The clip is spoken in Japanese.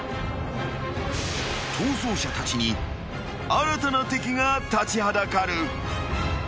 ［逃走者たちに新たな敵が立ちはだかる］